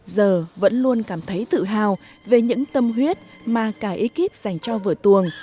giờ vẫn luôn cảm thấy tự hào về những tâm huyết mà cả ekip dành cho vở tuồng